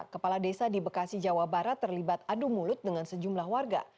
kepala desa di bekasi jawa barat terlibat adu mulut dengan sejumlah warga